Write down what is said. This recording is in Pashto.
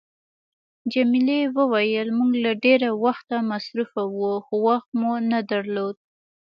جميلې وويل: موږ له ډېره وخته مصروفه وو، وخت مو نه درلود.